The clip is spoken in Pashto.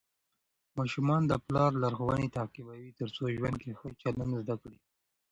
ماشومان د پلار لارښوونې تعقیبوي ترڅو ژوند کې ښه چلند زده کړي.